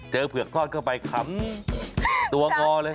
เผือกทอดเข้าไปขำตัวงอเลย